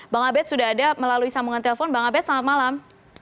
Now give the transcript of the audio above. bang abed sudah ada melalui sambungan telepon bang abed selamat malam